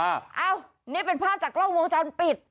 อ้าวนี่เป็นภาพจากกล้องวงจรปิด